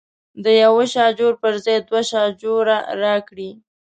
د یوه شاجور پر ځای دوه شاجوره راکړي.